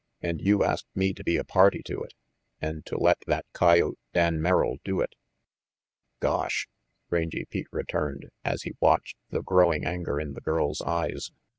And you asked me to be a party to it. And to let that coyote, Dan Merrill, do it. " "Gosh!" Rangy Pete returned, as he watched the growing anger in the girl's eyes.